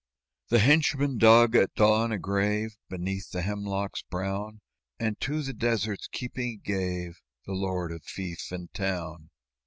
The henchman dug at dawn a grave Beneath the hemlocks brown, And to the desert's keeping gave The lord of fief and town.